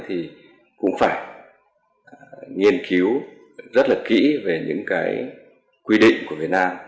thì cũng phải nghiên cứu rất là kỹ về những cái quy định của việt nam